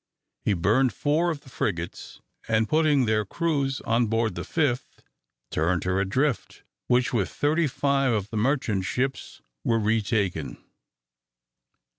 He burned four of the frigates, and putting their crews on board the fifth, turned her adrift, which, with thirty five of the merchant ships, were retaken.